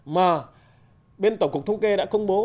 mà bên tổng cục thông kê đã công bố